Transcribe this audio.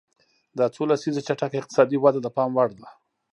دا څو لسیزې چټکه اقتصادي وده د پام وړ ده.